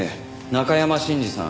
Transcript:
中山信二さん。